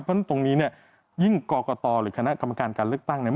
เพราะฉะนั้นตรงนี้เนี่ยยิ่งกรกตหรือคณะกรรมการการเลือกตั้งเนี่ย